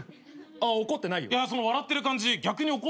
あー怒ってないよ。